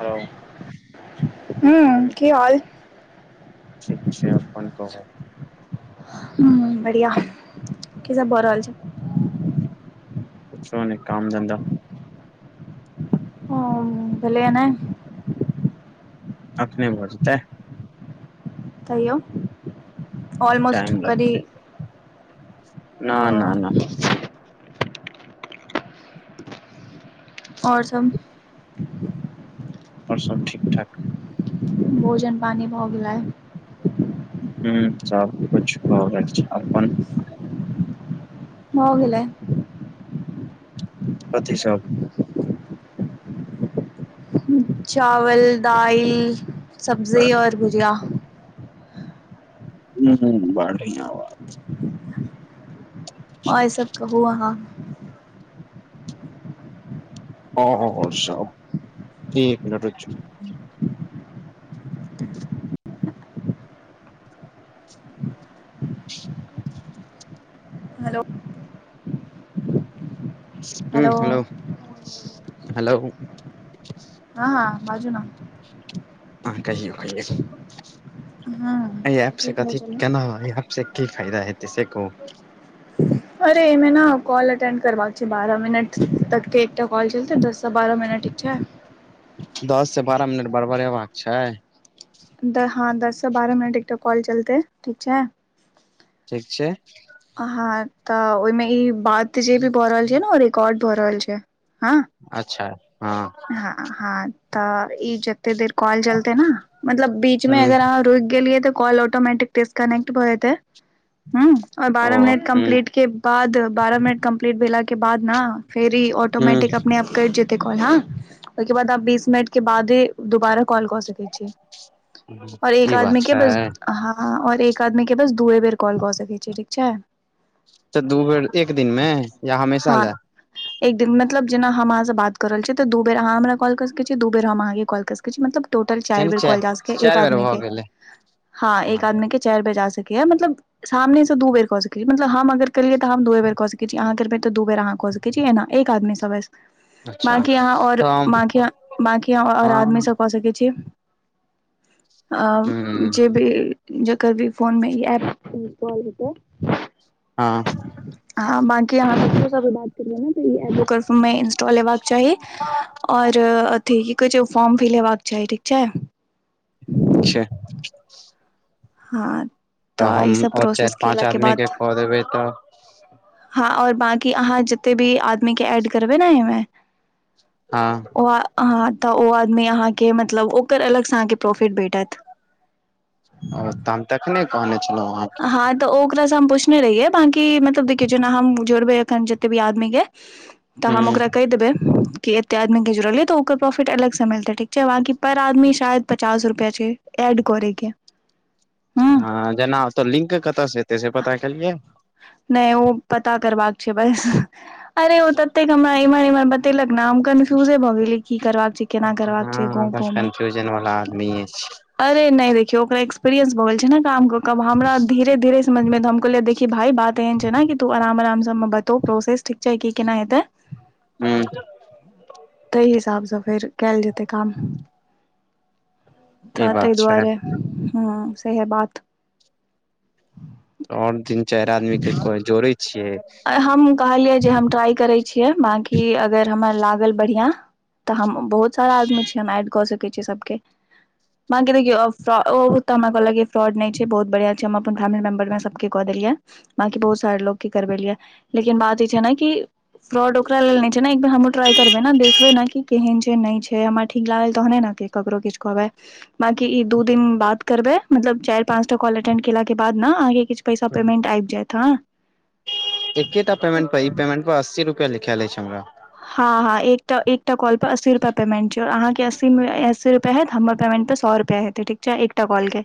हँ हूँ हुँ की हाल ठीक छै अपन कहुँ हुँ बढ़िआ की सब भऽ रहल छै कुछो नैय काम धन्धा ओ हुँ भेले या नए अखने भऽ जेतै तयौ टाइम लगतै न - न - न आओर सब आओर सब ठीक ठाक भोजन पानि भऽ गेलै हुँ सबकुछ हो रहल छै। अपन हो गेलेय कथि सब चावल, दाइल, सब्जी और भुजिया हुँ - हुँ बढ़िया बात आओर सब कहुँ अहाँ आओर सब एक मिनट रुकि जाउ हेलो उंह हेलो हेलौ, हेलौ हँ हँ बाजु न अहाँ कहियौ कहियौ हँ अहि एप से की कहै कथि छलियै केना होइये एहि से कि फायदा हेतै से कहु अरे एहिमे ने कॉल अटेंड करबाक छै बारह मिनट तकके एकटा कॉल चलतै दससँ बारह मिनट ठीक छै दस से बारह मिनट बड़बरेबाक छै दस हाँ दस से बारह मिनट एकटा कॉल चलतै, ठीक छै ठीक छै। हाँ तऽ ओहिमे ई बात जे भी भऽ रहल छै न ओ रिकॉर्ड भऽ रहल छै, हाँ अच्छा हँ हाँ हाँ तऽ ई जत जते देर कॉल चलतै ने मतलब बीच मे ह अगर अहाँ रुकि गेलियै तऽ कॉल ओत ऑटोमेटिक डिस्कनेक्ट भऽ जेतै, हुँ आओर ओ बारह मिनट ह कम्प्लीट के बाद बारह मिनट कम्प्लीट भेला के बाद न फेर ई ह ऑटोमेटिक अपने आप कटि जेतै काॅल, हाँ ओहि के बाद अहाँ बीस मिनट के बादे दुबारा कॉल कऽ सकै छी, आओर एक ई बात आदमी के बस छै हँ आओर एक आदमी के बस दुए बेर कॉल कऽ सकै छी, ठीक छै। तऽ दू बेर एक दिन मे या हमेशा हँ ले एक दिन मतलब जेना हम अहाँ से बात कऽ रहल छी तऽ दु बेर अहाँ हमरा कॉल कऽ सकै छी दु बेर हम अहाँके कॉल कऽ सकै छी। किछु मतलब टोटल चारि यानि बेर च कहल जा सकैये एक चारि बेर आदमी भऽ के, गेलै हाँ हँ एक आदमी के चारि बेर जा सकैये मतलब सामने से दु बेर कऽ सकैये, मतलब हम अगर केलियै तऽ हम दुए बेर कऽ सकै छी अहाँ करबै- तऽ दु बेर अहाँ कऽ सकै छी एना एक आदमी स बस अच्छा कि अहाँ त आओर हम बाँकी, बाँकी अहाँ आओर आदमी हम सँ कऽ सकै छी। आब ह जे भी जकर भी फोनमे ई एप इंस्टाॅल हेतै। हाँ हाँ बाँकी अहाँ केकरो स भी बात करियौ न तऽ ई एप ओकर सबमे इंस्टॉल हेबाक चाही। आओर अथि की कहै छै ओ फार्म फिल हेबाक चाही ठीक छै [inaudible] छै। हँ तऽ ई हम सब आओर प्रोसेस चारि पाँच केलाके आदमी के बाद कऽ देबै तऽ हँ आओर बाँकी अहाँ जेते भी आदमी के एड करबै ने एहिमे हँ ओ आ अहाँ तऽ ओ आदमी अहाँके मतलब ओकर अलग स अहाँके प्रोफिट भेटत। ओ तऽ हम तखने कहने छलौं अहाँके हँ तऽ ओ ओकरासँ हम पुछने रहियै, बाँकी मतलब देखियौ जेना हम जोड़बै अखैन जेते भी आदमीे के तऽ हम ह ओकरा कहि देबै कि एते आदमीे के जोड़लियै तऽ ओकर प्रोफिट अलग सँ मिलतै ठीक छै, बाँकी पर आदमी शायद पचास रुपया छै एड करै के ह हँ जेना ओतऽ लिंके कतय से हेतै से पता केलियै नहि ओ पता करबाक छै बस। अरे ओ ततेक हमरा इम्हर इम्हर बतेलक न हम कन्फ्यूजे भऽ गेलियै, की करबाक छै। हँ केना करबाक छै अहाँ गाँव बस गाँव मे कन्फ्यूजन वला आदमीेये छी। अरे नय देखियौ ओकरा एक्सपीरियंस भऽ गेल छै ने काम कऽ कऽ, आब हमरा धीरे धीरे- समझ मे त हम कहलियै देखिये भाइ बात एहन छै न कि तु अराम अराम स समझ मे एतौ प्रोसेस ठीक छै की केना हेतै। ह तहि हिसाबस फेर कयल जेतै काम त ई बात तहि छै दुआरे हां सेहे बात ओन तिन चारि आदमीे के जोड़ै छियै आई हमहुं कहलियै जे हम ट्राई करै छियै बाकि अगर हमरा लागल बढ़िया त हम बहुत सारा आदमी छियै एड कऽ सकै छीयै सबके [inaudible] बाकि देखियौ ओ तऽ हमरा कहलक कि फ्रॉड नय छै बहुत बढ़िआं छै हम अपन फैमिली मेंबर मे सबके कऽ देलियै बाकि बहुत सारे लोग के करबेलिया लेकिन बात ई छै न कि फ्रॉड ओकरा लेल नय छै न एक बेर हमहूँ ट्राई करबे न देखबे न कि केहन छै नय छै हमरा ठीक लागल तहने न हेतै ककरो किछु कहबै बाकी ई दू दिन बात करबै मतलब चारि पाँचटा कॉल एटेंड केला के बाद न अहाँ के किछु पैसा पेमेंट आबि जायत हँ एकेटा पेमेंट पर ई पेमेंट प अस्सी रुपया लिखाल अछि हमरा हँ हँ एकटा एकटा कॉलपर अस्सी रूपया पेमेन्ट छै आओर अहाँके अस्सी मे अस्सी रूपया हैयत हमर पमेन्ट पर सौ रुपया हैयत तऽ ठीक छै एकटा कॉल के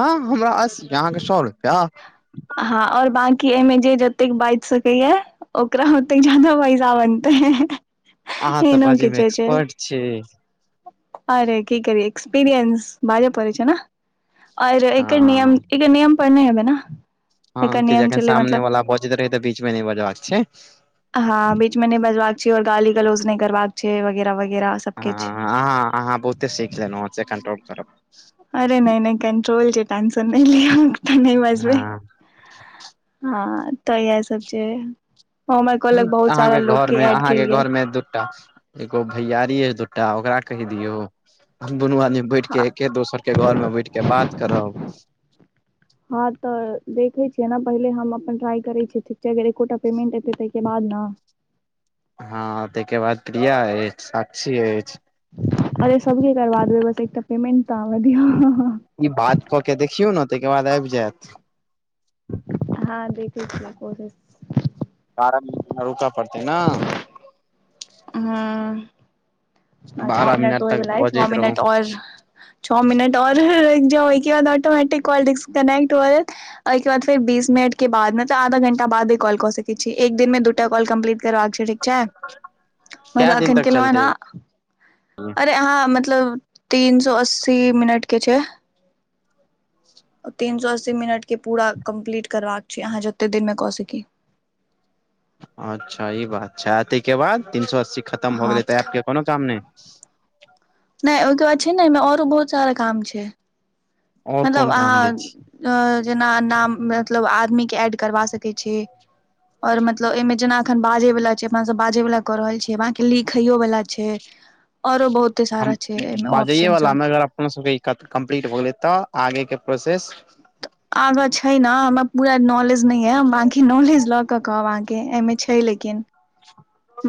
अँ हमरा अस्सी अहाँके सौ रुपैआ हँ आओर बंकी एहिमे जे जतेक बाजि सकैया ओकरा होते जादा पैसा बनतै अहाँ तऽ एहनो बाजै मे किछो छै एक्सपर्ट छी अरे की करियै एक्सपीरियंस बाज पड़ै छै न आर एकर नियम हँ इकर नियम पर नै एबै न हँ कि जखन सामने वाला बजैत रहै तऽ बीचमे नय बजबाक छै हँ बीच मे नय बजबाक छैय आओर गाली गलोज नय करबाक छैय वगैरा वगैरास हँ आँहाँ आहाँ बहुते सीख लेलौं हाँ से कंटोप करब आरे नय नय कंट्रोल के टेंशन नै लिअ ओत नै बजबै हँ हँ तऽ आइ जे हम आइ काॅलक बहुत सारा लोग के ऐड केलियै मै दूटा एगो भैयारी अइ दूटा ओकरा कहि दियौ हम दुनू आदमी बैठ हँ के एके दोसर के घर मे बैठ के बात करब हँ तऽ देखै छियै न पहिले हम अपन ट्राई करै छियै अगर एकोटा पेमेंट एतै तैके बाद न हँ तैके बाद प्रिया अछि साक्षी एछि अरे सबके करबा देबै बस एकटा पेमेंट तऽ आब दियौ ई बात कके देखियौ न तै के बाद आइब जैयत हँ देखै छियै कोशिश फारम रूक पड़तै न हूँ अछ बारह [unintelligible] मिनट तक होयवला अछि छ बजैत रहू मिनट आओर छ मिनट आओर रुकजाव ओइ के बाद ऑटोमेटिक कॉल डिस्कनेक्ट भजएत ओहिके बाद फेर बीस मिनट के बाद मे आधा घंटा बादे कॉल कऽ सकैत छी एक दिन मे दूटा कॉल कम्प्लीट करबाक छै ठीक छै, मत कै दिन अखन तक केलउहै चलतै न अरे अहाँ मतलब तीन सौ अस्सी मिनट के छै तीन सौ अस्सी मिनट के पूरा कम्प्लीट करबाक छै अहाँ जते दिन मे कऽ सकी अच्छा इ बात छै तैके बाद तीन सौ अस्सी खतम भऽ हँ गेलै तऽ ऐप केँ कोनो काम नै नै ओइकेँ बाद छै न एहिमे औरो बहुत सारा काम छै और मतलब कोन काम दै छी अहाँ जेना नाम मतलब आदमी केँ ऐड करबा सकैत छी और मतलब ए मे जेना एखन बाजे वाला छै अपना सब बाजै वाला क रहल छियै बाकी लिखैयो वला छै औरो बहुते [inaudible] हम सारा छै एहिमे ऑप्शन बाजइए सब म अगर अपनो सबके इ काज कम्प्लीट भ गेलै तऽ आगे केँ प्रोसेस आगा छै नऽ हमरा पूरा नॉलेज नहि यऽबाकी नॉलेज ल कऽ कहब अहाँ केँ एमे छै लेकिन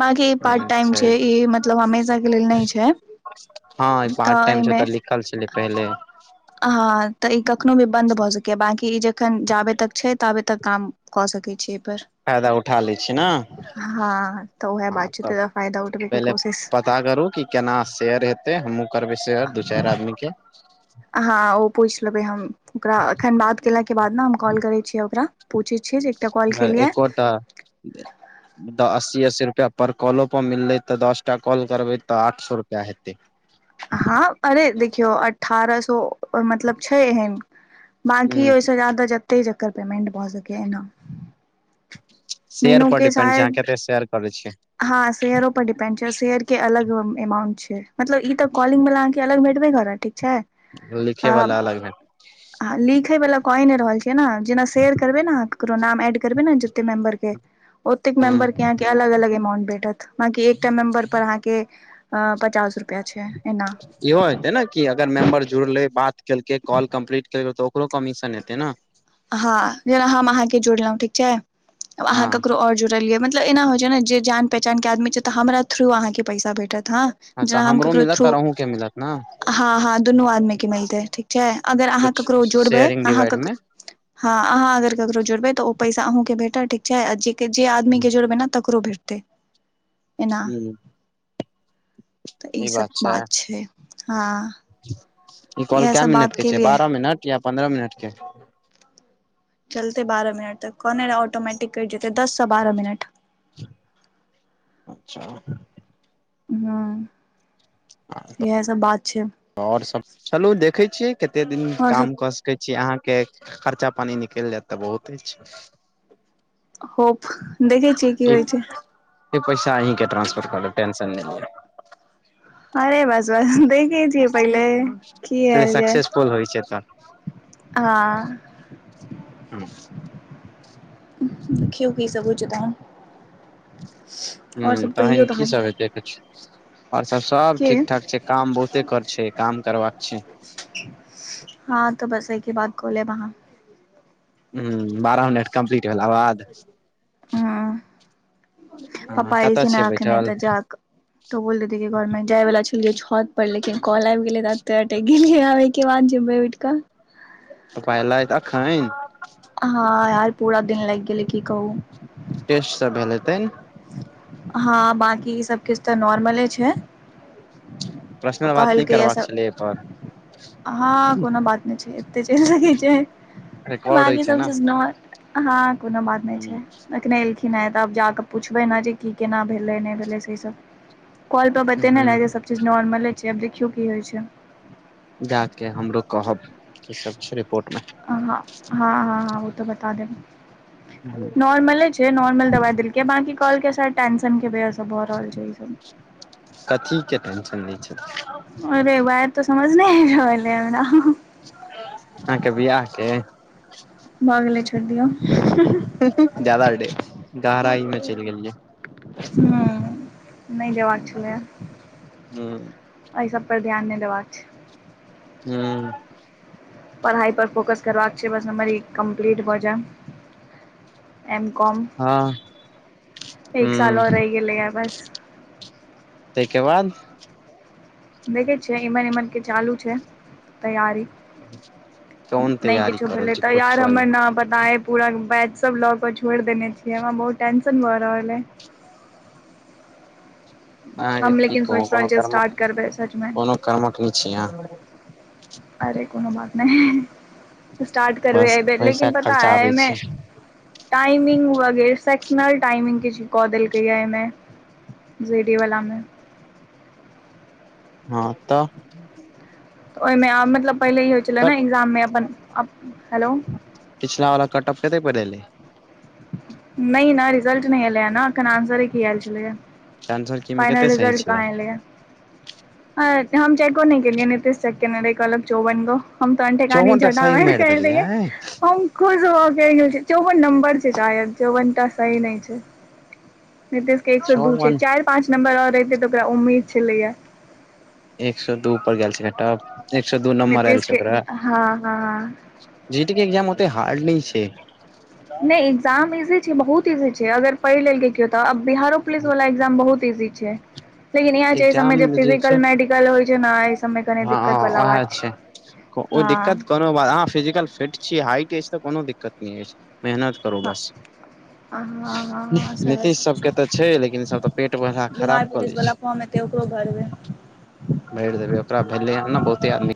बकी ई पार्ट टाइम छै ई मतलब हमेशा के लेल नहि छै [unintelligible] हँ ई पार्ट तऽ टाइम छै एहिमे ओत लिखल छलै पहिले हँ तऽ ई कखनो भी बन्द भऽ सकैये बाकि ई जखन जाबे तक छै ताबे तक काम कऽ सकै छी ए पर फायदा उठा लै छी ने [inaudible] हँ तऽ ओहे हँ बात छै तब तै दुआ फायदा उठबै केँ पहिले कोशिश पता करू कि केना शेयर हे तै हमहुँ करबै शेयर दू चार आदमी केँ हँ ओ पूछि लेबै हम ओकरा एखन बात केलाके बाद नऽ हम कॉल करै छियै ओकरा पुछै छियै जे एकटा कॉल केलियै एकोटा [inaudible] अस्सी अस्सी रुपैआ पर कॉलो पर मिललै तऽ दस टा कॉल करबै तऽ आठ सौ रुपैआ हेतै हँ अरे देखियौ अठारह सौ मतलब छै एहेन बाकि ह ओहिसँ जादा जते चकर पेमंट भऽ सकैए एनम शेयर पर डिपेंड छै अहाँ कते शेयर करै छियै हँ शेयरो पर डिपेंड छै शेयर केँ अलग अमाउंट छै मतलब ई तऽ कॉलिंग वला अहाँ केँ अलग भेटबे करत ठीक छै लिखे बला आ अलग है लिखे वाला कए नऽ रहल छियै नऽ जेना शेयर करबे नऽ ककरो नाम एड करबे नऽ जते मेम्बर केँ औतेक ह मैंबर कऽ अलग अलग ए माउंट भेटत बाकी एक टा मेंबर पर अहाँ केँ [inaudible] पचास रु [inaudible] इहो हेते नऽ कि अगर मेम्बर जुड़ले बात केलकै कॉल कम्प्लीट केलकै ओकरो कमीशन हेतै न हँ जेना हम अहाँ केँ जोड़लै ठीक छै आब अहाँ हँ ककरो और जोड़ देलिय मतलब एना होइ छै न जे जान पहचान केँ आदमी छै तऽ हमरा थ्रू अहाँकेँ पैसा भेटत हँ जेना तऽ हम हमरो ककरो मिलत थ्रू आओर अहूँके मिलत ने [inaudible] हँ हँ दुनू आदमी कऽ मिलतै ठीक छै अगर अहाँ कुछ ककरो जुड़बै शेयरिंग अहाँ डिवाइड मे ह हँ अहाँ अगर ककरो जुड़बै तऽ ओ पैसा अहूँ केँ भेट ठीक छै जे आदमीे जोड़बै नऽ तकरो भेटतै [inaudible] [unintelligible] इ ई सभ बात छै हँ इ कॉल इएह कै सब मिनट बात केँ छै केलियै बारह मिनट या पन्द्रह मिनट केँ चलतै बारह मिनट तक कहने ऑटोमैटिक कटि जेतै दससँ बारह मिनट [unintelligible] हू [unintelligible] इ है सब बात छै ओर सब चलू देखै छियै कते दिन आओर सब काम कऽ कहै छीय अहाँ केँ खर्चा पानी निकल जैत तऽ बहुत छै होप देखै छियै कि ई होइ छै ई पैसा अही के ट्रांसफर कर देब टेशन नहि ल अरे बस बस देखै छिय पहिले। कि लिअ आल जाय सक्सेसफुल होइ छै तऽ हँ ह देखियौ की सभ होइ छै तहन आओर सभ कहियौ की तहन। सब हेतै आओर सभ की ठीक ठाक छै काम बहुते कर छै काम करबाका छै। हँ तऽ बस एकी बाद क लेब अहाँ। ह बारह मिनट कम्प्लीट भेलला बाद। ह हँ कतय छियै बैठल। तो बोलेी घर मे जाय वाला छलियै छत पर लेकिन कल आबि गेले ते गेलिय आब। केवाज जिमबैटिका। त पाय लएत अखैन। हँ यार पूरा दिन लागि गेल की कहू। टेस्ट सभ भेल हेतैन। हँ बकी ई सभ किछ तऽ नॉर्मले छै। प्रर्शनल बात न करबाक छलै पर। ह कोनो बात नहि छै एते चल सी छै रिकॉर्ड होइ बाकी छै सभ ने चीज हँ कोनो बात नहि छै। कने एलखिन हे तऽब जाकऽ पुछबै ने जे की केना भेलै नहि भेलै से सभ कॉल पर बतेने रहे ह जे सभ चीज नोर्मले छै अब देखियौ की होइ छै जाके हम कहब की सभ छै रिपोर्ट मे हँ ह ह ओ तऽ बता मे देब नॉर्मले छै नॉर्मल दवाइ देलके। के बांकी कहलकई शायद टेंशन के वजह से भऽ रहल छै इ सभ कथी के टेंशन होय छै। अरे वेह तऽ समझ नहि रहले हमरा अहाके बिआहके भ गेले छोड़ि दियौ हु हु। हु हू ज्यादा गहराई में चलि गेलियै। हु। ह हू एहि सभ पर ध्यान नहि देबाक छै। हू। पढ़ाइ पर फोकस करबाक छै बस हमर ई कम्प्लीट भ जाय। एम कॉम हँ एक साल हुँ और रहि गेलये बस तय के बाद। देखै छियै इमहर इमहर के चालू छै तैयारी। कोन नहि तैयारी किछु क रहल भेलै छी तऽ यार कुछो नहि हमर न पूरा बैच सभ लऽ कऽ छोड़ि देने छियै हमरा बहुत टेंशन भऽ रहल अइ अहाँके हम की लेकिन कहू सोचि कोनो रहल छियै कर्म स्टार्ट करबै सचमे कोनो कर्मक नय छी अहाँ। अरे कोनो बात नहि। स्टार्ट करबे बस ए बेर पैसा लेकिन पता ए खर्चाबै अयमे। छी टाइमिंग वगैरह सेक्सनल टाइमिंगग किछ कऽ देलकै या एहिमे। जीडी वला मे हँ तऽ। तऽ ओहिमे मतलब पहिले ई होइ छलै कट ने एग्जाम मे अपन आ हेलो। पिछला वला कटअफ कते पर एलै। नहि नहि रिजल्ट नहि एलै ना एखन आंसरे की आयल छले या। आंसर की मे कते फाइनल सही रिजल्ट छलै कहां एलेया है हम चेको नय केलिए नीतीश चेक केने रहे कहलक चौवन गो। हम त अनठेकानी चौवन टा झटहा सही मैर के मारि आएल देलियै रहिए हम खुश भौ के आलियाई की चौवन नंबर। शायद चौवन टा सही नहि छै नीतीश के एक सौ दू छै चौवन चारि पाँच नंबर आओर रेहतै तऽ ओकरा उम्मीद छलैए। एक सए दू पर गेल छै एक सए दू नम्बर आयल नीतीश छै के ओकरा हँ हँ जीडी के एक्जाम ओते हार्ड नय छै। नहि एगजाम इजी छै बहुत इजी छै अगर पढ़ लेलके कियो तऽ अ बिहारो पुलिस वाला एग। एग्जाम बहुत इजी छै। लेकिन इह छै ए सबमे एग्जाम जे छै फिजिकल मेडिकल होइ छै ने एहि सभमे कनी हँ दिक्कत वाला उएह बात छै। ओ दिक्कत हँ कर बाद अहाँ फिजिकल फिट छीयै हाइट अछि तऽ कोनो दिक्कत नहि अछि मेहनत। करू हँ बस। हँ हँ सएह नीतीश सब सभके तऽ छै लेकिन सभ तऽ पेट में अहाँ बिहार खराब कऽ पुलिस लै वाला छै। फॉर्म ओकरो घरमे भेरि देबै ओकरा भेलै ह ने बहुते आदमी।